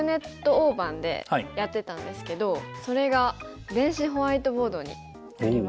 大盤でやってたんですけどそれが電子ホワイトボードになりました。